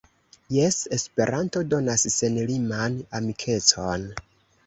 Jes, Esperanto donas senliman amikecon!